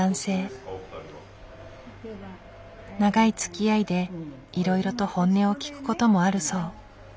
長いつきあいでいろいろと本音を聞く事もあるそう。